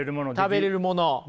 食べれるものはい。